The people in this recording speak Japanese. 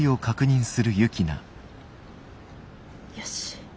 よし。